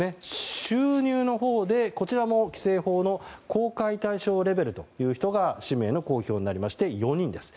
収入のほうで、こちらも規正法の公開対象レベルという人が氏名の公表になりまして４人です。